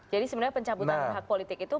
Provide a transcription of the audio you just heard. jadi sebenarnya penyebut anak politik itu